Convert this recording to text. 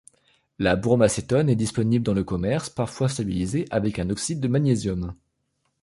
La bromacétone est disponible dans le commerce, parfois stabilisée avec un oxyde de magnésium.